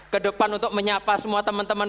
ke depan untuk menyapa semua teman teman